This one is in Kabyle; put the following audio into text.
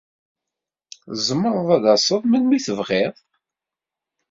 Tzemred ad d-tased melmi tebɣid.